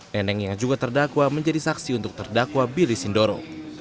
neneng yang juga terdakwa menjadi saksi untuk terdakwa billy sindoro